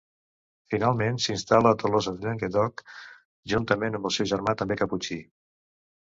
Finalment s'instal·la a Tolosa de Llenguadoc, juntament amb el seu germà, també caputxí.